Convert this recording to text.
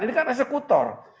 ini kan resekutor